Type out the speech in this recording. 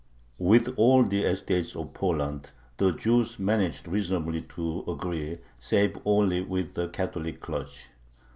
With all the estates of Poland the Jews managed reasonably to agree save only with the Catholic clergy.